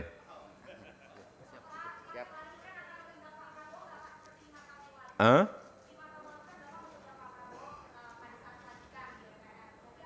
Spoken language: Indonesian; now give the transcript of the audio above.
pak prabowo akan menangkap lima tahun kemarin lima tahun kemarin adalah untuk pak prabowo menangkap latihan mpr